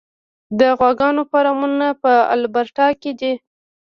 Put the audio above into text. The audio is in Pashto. د غواګانو فارمونه په البرټا کې دي.